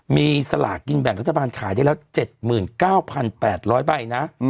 มีสลากกินแบ่งรัฐบาลขายได้แล้ว๗๙๘๐๐ใบนะ